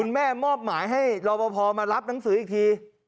แม่มอบหมายให้รอปภมารับหนังสืออีกที